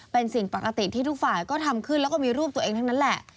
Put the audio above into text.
เป็นสิ่งปกติที่ทุกฝ่ายก็ทำขึ้นแล้วก็มีรูปตัวเองทั้งนั้นแหละ